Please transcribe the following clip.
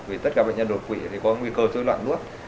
vì tất cả bệnh nhân đột quỷ thì có nguy cơ sối loạn nuốt